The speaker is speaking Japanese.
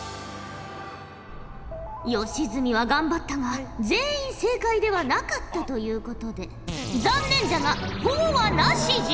吉住は頑張ったが全員正解ではなかったということで残念じゃがほぉはなしじゃ。